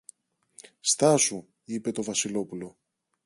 Στάσου, είπε το Βασιλόπουλο.